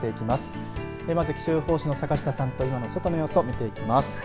まずは気象予報士の坂下さんと外の様子を見ていきます。